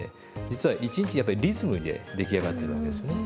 実は一日やっぱりリズムで出来上がってるわけですね。